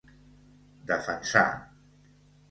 Defensar